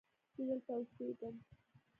زه دلته اوسیږم.